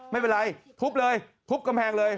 ไม่เป็นไรทุบเลยทุบกำแพงเลย